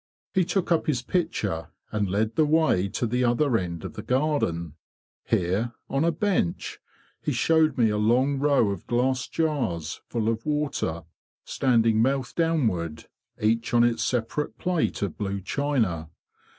He took up his pitcher, and led the way to the other end of the garden. Here, on a bench, he showed me a long row of glass jars full of water, standing mouth downward, each on its separate FEBRUARY AMONGST THE HIVES 29 plate of blue china.